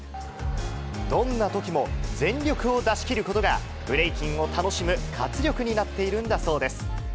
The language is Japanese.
どんなときも全力を出し切ることが、ブレイキンを楽しむ活力になっているんだそうです。